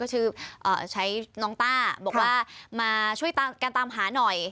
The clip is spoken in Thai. ชื่อใช้น้องต้าบอกว่ามาช่วยการตามหาหน่อย